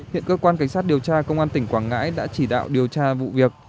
hiện cơ quan cảnh sát điều tra công an tỉnh quảng ngãi đã chỉ đạo điều tra vụ việc